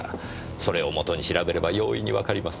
それを元に調べれば容易にわかります。